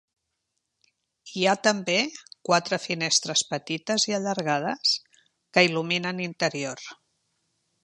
Hi ha també quatre finestres petites i allargades que il·luminen l'interior.